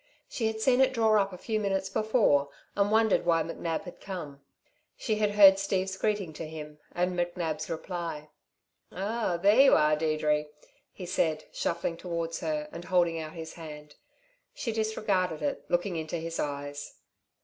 She had seen it draw up a few minutes before and wondered why McNab had come. She had heard Steve's greeting to him and McNab's reply. "Oh, there you are, Deirdre," he said, shuffling towards her and holding out his hand. She disregarded it, looking into his eyes.